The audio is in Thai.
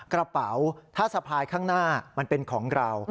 กระเป๋าถ้าสะพายข้างหน้ามันเป็นของเรา